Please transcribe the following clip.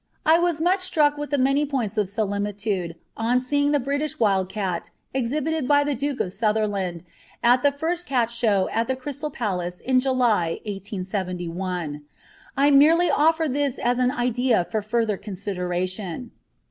I was much struck with the many points of similitude on seeing the British wild cat exhibited by the Duke of Sutherland at the first cat show at the Crystal Palace in July, 1871. I merely offer this as an idea for further consideration.